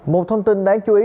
một thông tin đáng chú ý